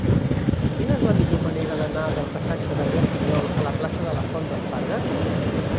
Quina és la millor manera d'anar del passatge d'Albert Pinyol a la plaça de la Font d'en Fargues?